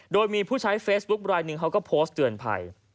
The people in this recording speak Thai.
โดยมีผู้ใช้เฟซบุ๊คไลนึงเขาก็โพสต์เตือนภัย